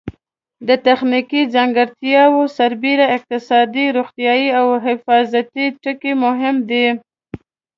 د تخنیکي ځانګړتیاوو سربېره اقتصادي، روغتیایي او حفاظتي ټکي مهم دي.